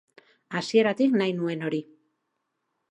Hasieratik nahi nuen hori.